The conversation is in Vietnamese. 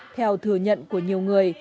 theo thừa nhận của nhiều người